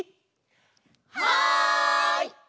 はい！